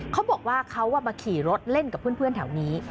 เขาบอกว่าเขามาขี่รถเล่นกับเพื่อนแถวนี้